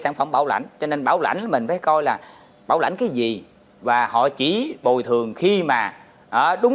sản phẩm bảo lãnh cho nên bảo lãnh mình phải coi là bảo lãnh cái gì và họ chỉ bồi thường khi mà đúng